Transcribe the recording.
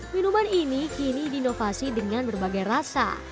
minuman ini kini diinovasi dengan berbagai rasa